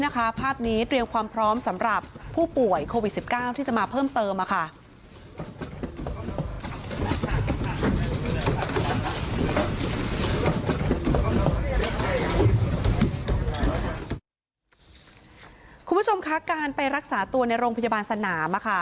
คุณผู้ชมคะการไปรักษาตัวในโรงพยาบาลสนาม